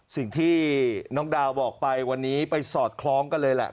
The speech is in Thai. สิ่งที่น้องดาวบอกไปวันนี้ไปสอดคล้องกันเลยแหละ